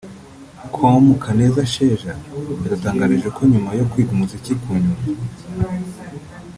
com Kaneza Sheja yadutangarije ko nyuma yo kwiga umuziki ku Nyundo